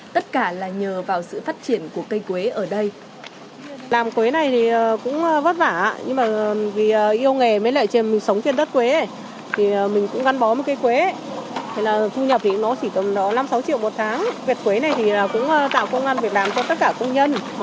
tất cả là nhờ vào sự phát triển của cây quế ở đây